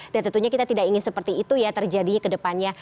dan tentunya kita tidak ingin seperti itu ya terjadi ke depannya